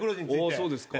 おおそうですか。